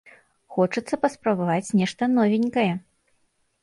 Хочацца паспрабаваць нешта новенькае!